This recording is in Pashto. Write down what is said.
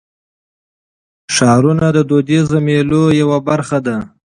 ښارونه د فرهنګي فستیوالونو یوه برخه ده.